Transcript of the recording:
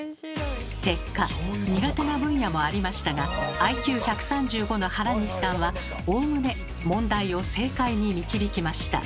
結果苦手な分野もありましたがＩＱ１３５の原西さんはおおむね問題を正解に導きました。